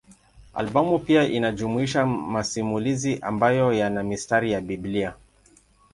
Albamu pia inajumuisha masimulizi ambayo yana mistari ya Biblia.